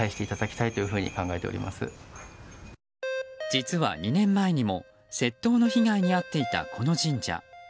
実は２年前にも窃盗の被害に遭っていたこの神社。